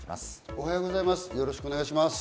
おはようございます。